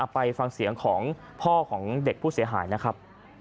ไปฟังเสียงของพ่อของเด็กผู้เสียหายนะครับ